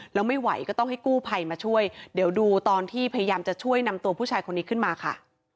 แล้วไม่ไหวก็ต้องให้กู้ภัยมาช่วยเดี๋ยวดูตอนที่พยายามจะช่วยนำตัวผู้ชายคนนี้ขึ้นมาค่ะ